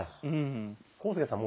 浩介さん